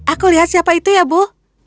aku lihat siapa itu ya bu